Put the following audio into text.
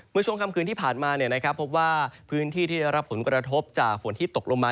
ช่วงคำคืนที่ผ่านมาพบว่าพื้นที่ที่ได้รับผลกระทบจากฝนที่ตกลงมา